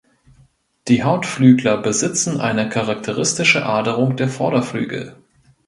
Die Hautflügler besitzen eine charakteristische Aderung der Vorderflügel.